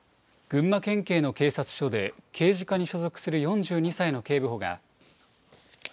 群馬県警の警察署で、刑事課に所属する４２歳の警部補が。